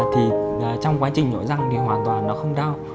thì trong quá trình nổi răng thì hoàn toàn nó không đau